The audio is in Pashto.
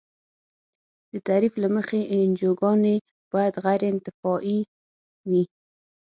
د تعریف له مخې انجوګانې باید غیر انتفاعي وي.